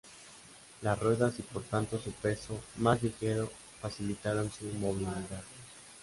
Las ruedas y por tanto su peso más ligero facilitaron su movilidad.